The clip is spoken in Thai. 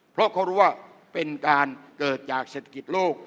เพราะเขารู้ว่าเป็นการเกิดจากเศรษฐกิจโลก